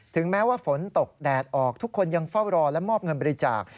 แม้ว่าฝนตกแดดออกทุกคนยังเฝ้ารอและมอบเงินบริจาค